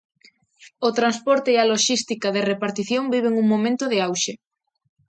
O transporte e a loxística de repartición viven un momento de auxe.